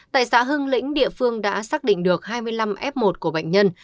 tại xã hưng lĩnh địa phương đã xác định được hai mươi năm f một của bệnh nhân